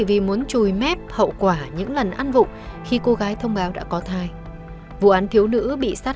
vì muốn trùi mép hậu quả những lần ăn vụ khi cô gái thông báo đã có thai vụ án thiếu nữ bị sát